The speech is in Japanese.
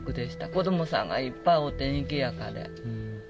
子どもさんがいっぱいおって、にぎやかで。